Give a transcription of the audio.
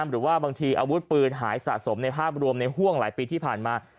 หรือว่าบางทีอาวุธปืนหายสะสมในภาพรวมในห่วงหลายปีที่ผ่านมา